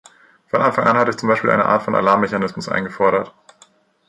Von Anfang an hatte ich zum Beispiel eine Art von Alarmmechanismus eingefordert.